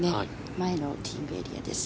前のティーイングエリアです。